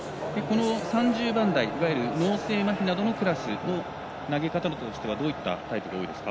３０番台、脳性まひなどのクラスの投げ方としてはどういったタイプが多いですか？